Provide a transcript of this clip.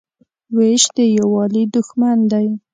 وېش د یووالي دښمن دی.